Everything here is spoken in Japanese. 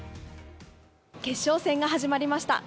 決勝戦が始まりました